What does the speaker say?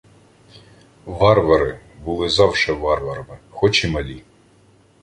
— Варвари були завше варварами, хоч і малі.